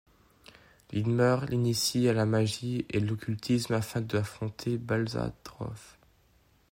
Lindmer l'initie à la magie et l'occultisme afin d'affronter Balzaroth...